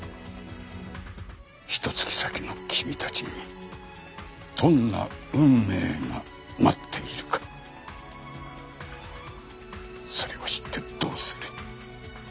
ひと月先の君たちにどんな運命が待っているかそれを知ってどうする？